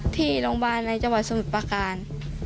ที่โรงพยาบาลในจังหวัดสมุทรประการ